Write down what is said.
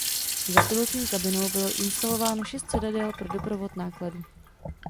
Za pilotní kabinou bylo instalováno šest sedadel pro doprovod nákladu.